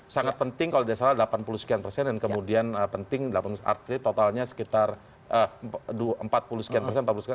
sangat penting kalau tidak salah delapan puluh sekian persen dan kemudian penting delapan puluh atlet totalnya sekitar empat puluh sekian persen